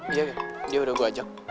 iya kan dia udah gue ajak